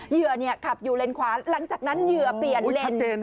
เหยื่อขับอยู่เลนขวาหลังจากนั้นเหยื่อเปลี่ยนเลน